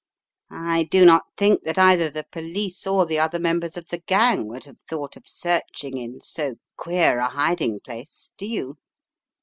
I do not think that either the police or the other members of the gang would have thought of searching in so queer a hiding place, do you?